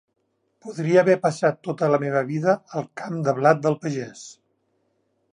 Podria haver passat tota la meva vida al camp de blat del pagès.